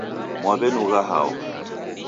Mwaw'enughana hao?